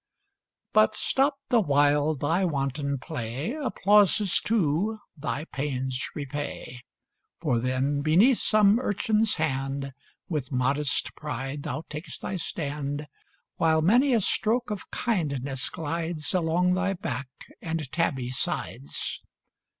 But, stopped the while thy wanton play, Applauses too thy pains repay: For then, beneath some urchin's hand With modest pride thou takest thy stand, While many a stroke of kindness glides Along thy back and tabby sides.